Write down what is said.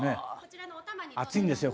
「熱いんですよ